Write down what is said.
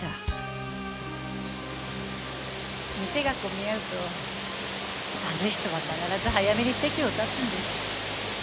店が混み合うとあの人は必ず早めに席を立つんです。